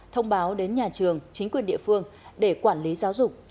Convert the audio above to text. thông báo đến nhà trường chính quyền địa phương để quản lý giáo dục cho xử lý